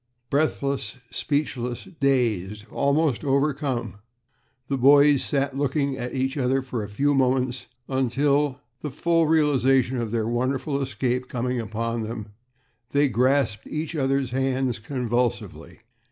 Breathless, speechless, dazed, almost overcome, the boys sat looking at each other for a few moments, until, the full realization of their wonderful escape coming upon them, they grasped each other's hands convulsively.